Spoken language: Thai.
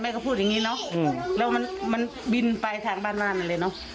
ก็พูดอย่างงี้เนอะแล้วมันบินไปทางบ้านนั่นแหละเนอะ